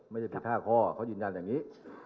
ไม่ได้ผิด๕ข้อเขายืนยันอย่างนี้